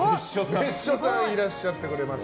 別所さんがいらっしゃってくれます。